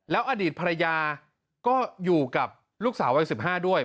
อดีตภรรยาก็อยู่กับลูกสาววัย๑๕ด้วย